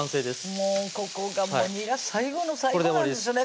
もうここがにら最後の最後なんですよね